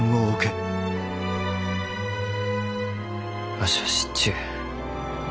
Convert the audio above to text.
わしは知っちゅう。